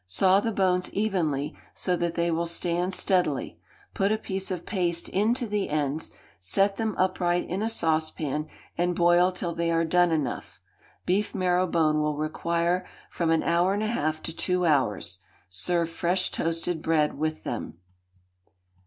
Saw the bones evenly, so that they will stand steadily; put a piece of paste into the ends; set them upright in a saucepan, and boil till they are done enough beef marrow bone will require from an hour and a half to two hours; serve fresh toasted bread with them.